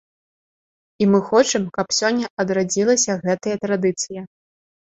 І мы хочам, каб сёння адрадзілася гэтая традыцыя.